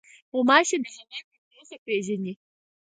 غوماشې د هوا تودوخه پېژني.